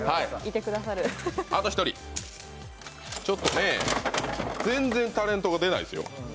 あと１人、ちょっと全然タレントが出ないですよ。